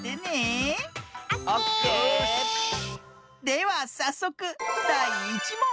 ではさっそくだい１もん。